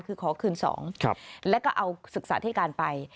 คือขอคืน๒แล้วก็เอาศึกษาที่การไป